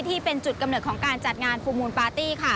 ที่เป็นจุดกำเนิดของการจัดงานฟูมูลปาร์ตี้